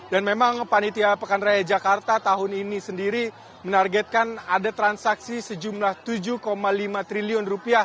dan memang panitia pekan raya jakarta tahun ini sendiri menargetkan ada transaksi sejumlah rp tujuh lima triliun